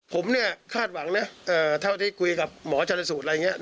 ผมเนี่ยคาดหวังนะเท่าที่คุยกับหมอชนสูตรอะไรอย่างนี้